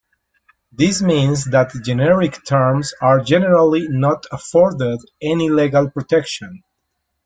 This means that generic terms are generally not afforded any legal protection.